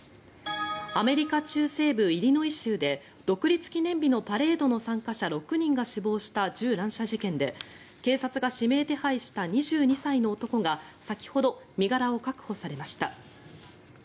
アメリカ中西部イリノイ州で独立記念日のパレードの参加者６人が死亡した銃乱射事件で警察が指名手配した２２歳の男が先ほど身柄を確保されました。